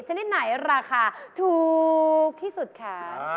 ชนิดไหนราคาถูกที่สุดคะ